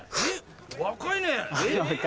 若いね。